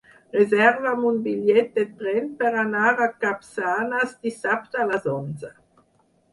Reserva'm un bitllet de tren per anar a Capçanes dissabte a les onze.